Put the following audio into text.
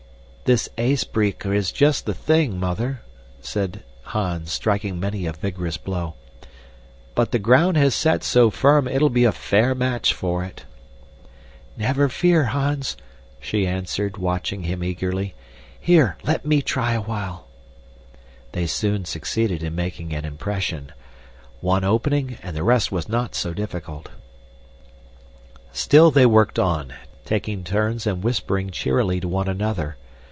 "This ysbreeker is just the thing, Mother," said Hans, striking many a vigorous blow, "but the ground has set so firm it'll be a fair match for it." "Never fear, Hans," she answered, watching him eagerly. "Here, let me try awhile." They soon succeeded in making an impression. One opening and the rest was not so difficult. Still they worked on, taking turns and whispering cheerily to one another.